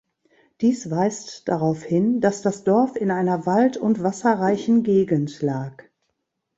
Dies weist darauf hin, dass das Dorf in einer wald- und wasserreichen Gegend lag.